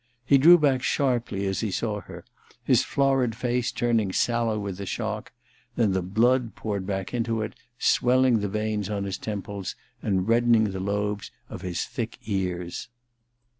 He drew back sharply as he saw her, his florid face turning sallow with the shock; then the blood poured back to it, swelling the veins on his temples and reddening the lobes of his thick ears.